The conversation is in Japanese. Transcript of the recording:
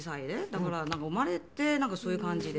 だから生まれてそういう感じで。